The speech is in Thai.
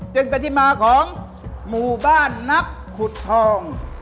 จึงเป็นที่มาของหมู่บ้านนับขุดทอง